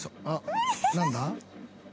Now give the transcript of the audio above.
あっなんだ？